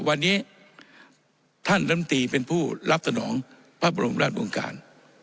วันนี้ท่านลำตีเป็นผู้รับสนองพระบรมราชวงการ